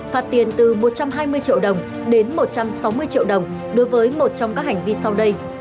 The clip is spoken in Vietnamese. phạt tiền từ một trăm hai mươi triệu đồng đến một trăm sáu mươi triệu đồng đối với một trong các hành vi sau đây